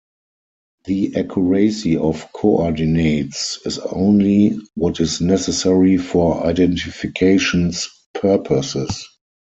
The accuracy of coordinates is only what is necessary for identifications purposes.